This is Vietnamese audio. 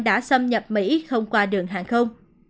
đã xâm nhập mỹ không qua đường hàng không